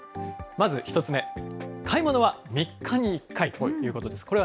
まず１つ目、買い物は３日に１回ということです。